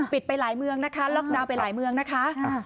ปิดไปหลายเมืองนะคะล็อกนาวไปหลายเมืองนะคะอ่า